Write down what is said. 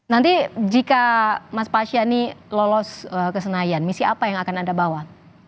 nanti jika mas pasyani lolos ke senayan misi apa yang akan anda bawa